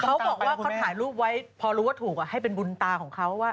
เขาบอกว่าเขาถ่ายรูปไว้พอรู้ว่าถูกให้เป็นบุญตาของเขาว่า